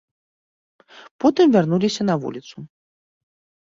Потым вярнуліся на вуліцу.